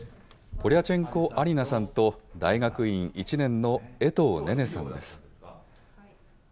ポリャチェンコ・アリナさんと大学院１年の江東寧々さんです。